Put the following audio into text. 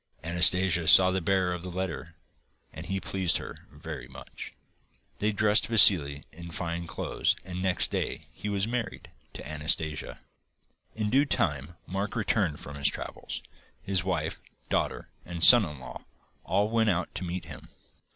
Anastasia saw the bearer of the letter and he pleased her very much. They dressed Vassili in fine clothes and next day he was married to Anastasia. In due time, Mark returned from his travels. His wife, daughter, and son in law all went out to meet him.